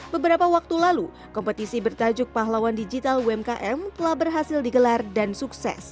beberapa waktu lalu kompetisi bertajuk pahlawan digital umkm telah berhasil digelar dan sukses